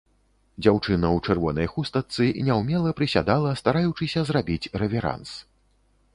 Дзяўчына ў чырвонай хустачцы няўмела прысядала, стараючыся зрабіць рэверанс.